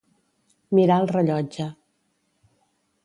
Mirà el rellotge.